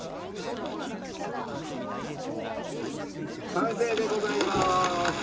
完成でございます！